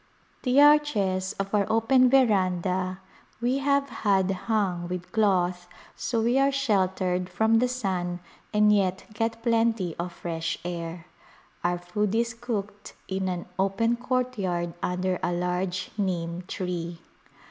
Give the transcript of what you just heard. The arches of our open veranda we have had hung Disti)igii ish ed Visitors with cloth so we are sheltered from the sun and yet get plenty of fresh air. Our food is cooked in an open courtyard under a large Nim tree.